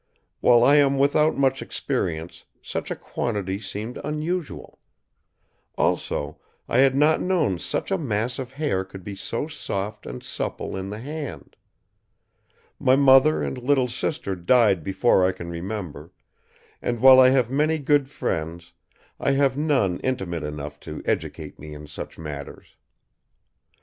While I am without much experience, such a quantity seemed unusual. Also, I had not known such a mass of hair could be so soft and supple in the hand. My mother and little sister died before I can remember; and while I have many good friends, I have none intimate enough to educate me in such matters.